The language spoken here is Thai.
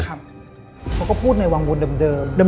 เขาก็พูดในวังวลเดิม